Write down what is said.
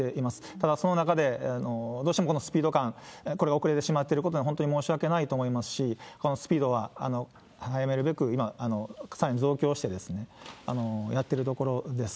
ただ、その中でどうしてもこのスピード感、これが遅れてしまってるということは、本当に申し訳ないと思いますし、このスピードを速めるべく今、さらに増強して、やってるところです。